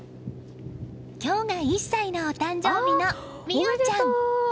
今日が１歳のお誕生日の望央ちゃん。